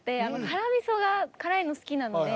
辛味噌が辛いの好きなので。